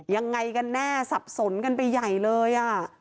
ยังไงกันแน่สับสนกันไปใหญ่เลย